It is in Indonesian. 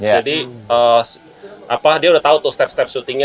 jadi dia udah tahu tuh step step shootingnya